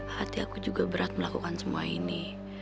hati aku juga berat melakukan semua ini